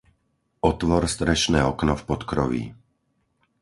Otvor strešné okno v podkroví.